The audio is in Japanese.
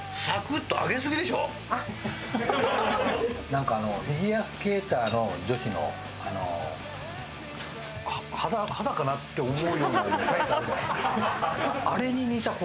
なんかフィギュアスケーターの女子の肌かな？って思うようなタイツあるじゃないですか。